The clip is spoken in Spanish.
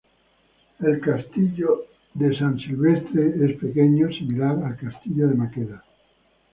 El castillo de San Silvestre es pequeño, similar al castillo de Maqueda.